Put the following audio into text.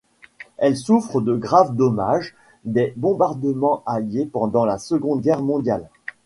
Elle souffre de graves dommages des bombardements alliés pendant la Seconde Guerre mondiale.